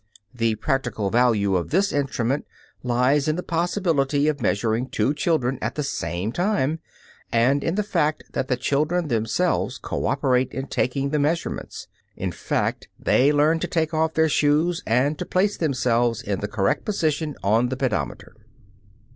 The practical value of this instrument lies in the possibility of measuring two children at the same time, and in the fact that the children themselves cooperate in taking the measurements. In fact, they learn to take off their shoes and to place themselves in the correct position on the pedometer.